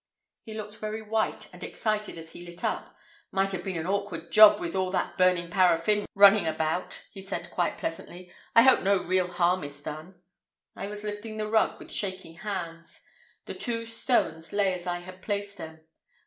He looked very white and excited as he lit up. "Might have been an awkward job with all that burning paraffin, running about," he said quite pleasantly. "I hope no real harm is done." I was lifting the rug with shaking hands. The two stones lay as I had placed them.